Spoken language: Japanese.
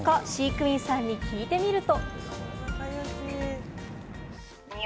飼育員さんに聞いてみると。